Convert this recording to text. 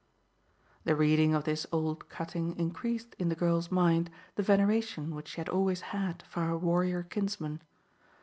The reading of this old cutting increased in the girl's mind the veneration which she had always had for her warrior kinsman.